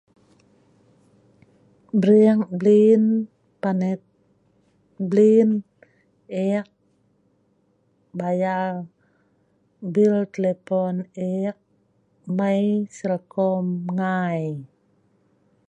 brieng blin, panet blin, eek bayal bil telepon eek mai Celcom ngai